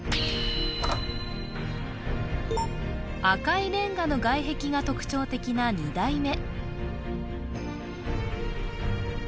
赤いレンガの外壁が特徴的な２代目